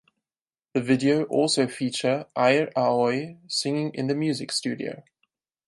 The video also feature Eir Aoi singing in the music studio.